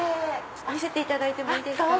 見せていただいてもいいですか？